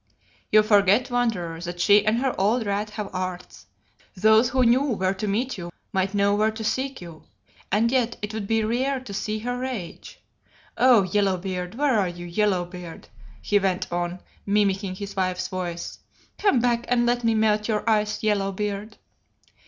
"You forget, Wanderer, that she and her old Rat have arts. Those who knew where to meet you might know where to seek you. And yet, and yet, it would be rare to see her rage. 'Oh, Yellow beard, where are you, Yellow beard?' he went on, mimicking his wife's voice. 'Come back and let me melt your ice, Yellow beard.